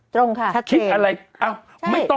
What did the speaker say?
ตรงค่ะชักเกม